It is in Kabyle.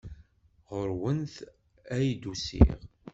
Ɣer-went ay d-usiɣ.